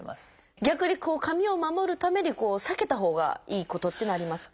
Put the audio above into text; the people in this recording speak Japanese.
逆に髪を守るために避けたほうがいいことっていうのはありますか？